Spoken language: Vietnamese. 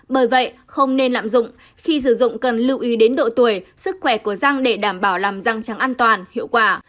bởi vậy không nên lạm dụng khi sử dụng cần lưu ý đến độ tuổi sức khỏe của răng để đảm bảo làm răng an toàn hiệu quả